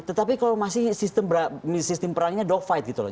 tetapi kalau masih sistem perangnya dogfight gitu loh